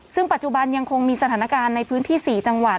ซึ่งปัจจุบันยังคงมีสถานการณ์ในพื้นที่๔จังหวัด